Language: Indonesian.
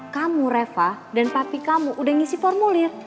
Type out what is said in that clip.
kamu reva dan papi kamu udah ngisi formulir